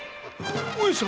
上様！